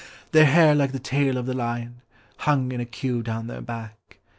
Their hair like the tail of the lion, hung in a queue down their back.